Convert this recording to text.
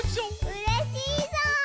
うれしいぞう！